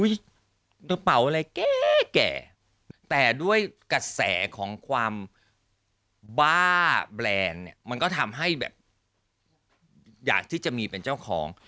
กระเป๋าอะไรแก่แต่ด้วยกระแสของความบ้าแบรนด์เนี่ยมันก็ทำให้แบบอยากที่จะมีเป็นเจ้าของ